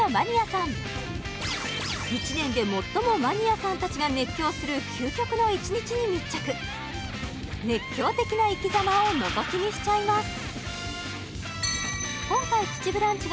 １年で最もマニアさん達が熱狂する究極の１日に密着熱狂的な生きざまをのぞき見しちゃいます